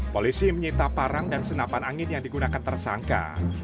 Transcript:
polisi menyita parang dan senapan angin yang digunakan tersangka